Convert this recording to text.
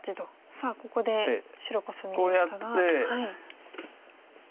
さあここで白コスみましたが。